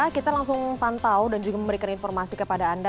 kita langsung pantau dan juga memberikan informasi kepada anda